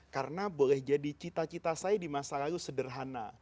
karena boleh jadi cita cita saya di masa lalu sederhana